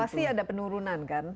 pasti ada penurunan kan